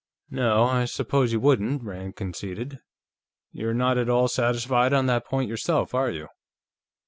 "No, I suppose you wouldn't," Rand conceded. "You're not at all satisfied on that point yourself, are you?"